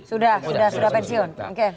sudah sudah pensiun oke